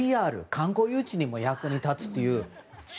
観光誘致にも役に立つという。